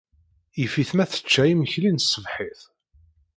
Yif-it ma tecca imekli n tṣebḥit.